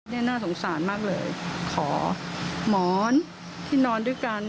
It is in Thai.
นี่น่าสงสารมากเลยขอหมอนที่นอนด้วยกัน